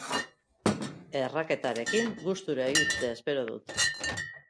Erraketarekin gustura ibiltzea espero dut.